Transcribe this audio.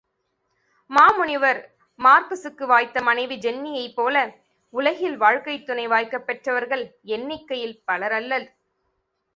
மாமுனிவர் மார்க்சுக்கு வாய்த்த மனைவி ஜென்னியைப் போல உலகில் வாழ்க்கைத் துணை வாய்க்கப் பெற்றவர்கள் எண்ணிக்கையில் பலர் அல்லர்.